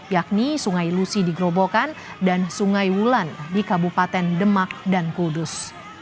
yakni sungai lusi di gerobokan dan sungai wulan di kabupaten demak dan kudus